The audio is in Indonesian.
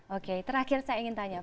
oke terakhir saya ingin tanya